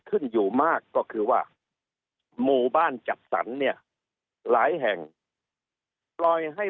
ขึ้นอยู่มากก็คือว่าหมู่บ้านจัดสรรเนี่ยหลายแห่งปล่อยให้